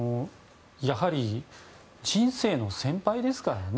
やはり人生の先輩ですからね。